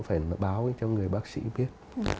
thì mình cũng phải báo cho người bác sĩ biết